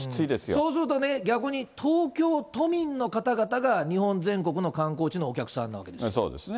そうするとね、逆に東京都民の方々が、日本全国の観光地のおそうですね。